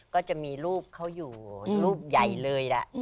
ก็จะมีรูปเขาอยู่รูปใหญ่เลยล่ะ